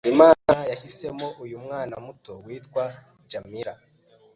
Imana yahisemo uyu mwana muto witwa Djamila